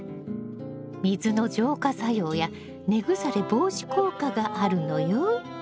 水の浄化作用や根腐れ防止効果があるのよ。